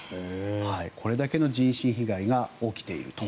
これだけの人身被害が起きていると。